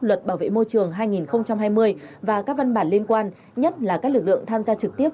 luật bảo vệ môi trường hai nghìn hai mươi và các văn bản liên quan nhất là các lực lượng tham gia trực tiếp